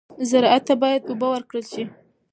زراعت ته باید اوبه ورکړل شي.